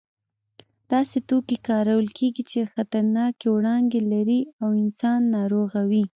داسې توکي کارول کېږي چې خطرناکې وړانګې لري او انسان ناروغوي.